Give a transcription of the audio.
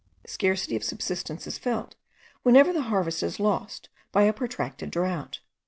Scarcity of subsistence is felt, whenever the harvest is lost by a protracted drought.